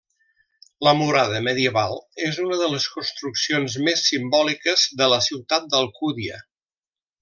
La murada medieval és una de les construccions més simbòliques de la ciutat d'Alcúdia.